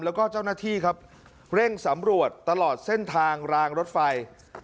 แล้วก็เจ้าหน้าที่ครับเร่งสำรวจตลอดเส้นทางรางรถไฟ